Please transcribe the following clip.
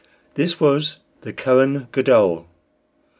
This was the Kohen Gadol.